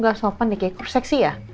gak sopan nih kayak seksi ya